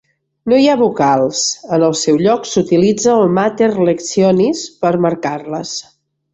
No hi ha vocals, en el seu lloc s'utilitza la mater lectionis per marcar-les.